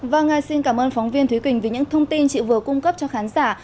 vâng xin cảm ơn phóng viên thúy quỳnh vì những thông tin chị vừa cung cấp cho khán giả